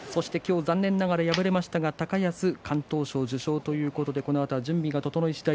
残念ながら敗れましたが高安敢闘賞受賞ということでこのあと準備が整い次第